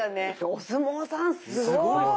お相撲さんすごい。